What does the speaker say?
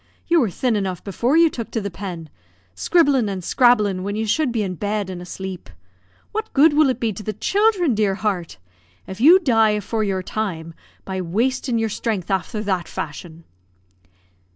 You were thin enough before you took to the pen; scribblin' an' scrabblin' when you should be in bed an' asleep. What good will it be to the childhren, dear heart! If you die afore your time, by wastin' your strength afther that fashion?"